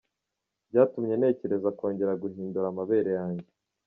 byatumye ntekereza kongera guhindura amabere yanjye.